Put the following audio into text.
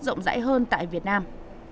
rộng rãi hơn tại việt nam